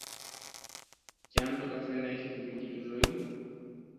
Κι αν το καθένα είχε τη δική του ζωή